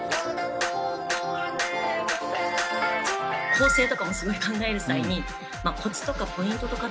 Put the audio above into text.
構成とかもすごい考える際にコツとかポイントとかって。